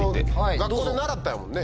学校で習ったんやもんね。